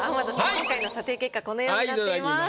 今回の査定結果このようになっています。